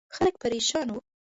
خلک پرېشان وو.